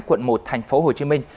quận một tp hồ chí minh